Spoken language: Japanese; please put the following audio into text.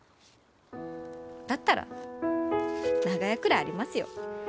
だったら長屋くらいありますよ。